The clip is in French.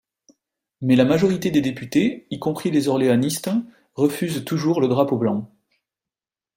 Mais la majorité des députés, y compris les orléanistes, refuse toujours le drapeau blanc.